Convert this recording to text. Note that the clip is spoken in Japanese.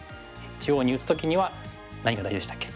中央に打つ時には何が大事でしたっけ？